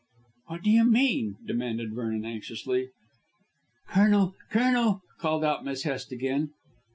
"What do you mean?" demanded Vernon anxiously. "Colonel, Colonel," called out Miss Hest again.